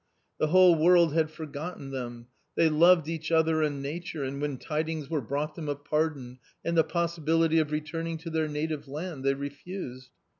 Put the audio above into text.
The whole world had forgotten them; they loved each other and nature, and when tidings were brought them of pardon and the possi bility of returning to their native land, they refused.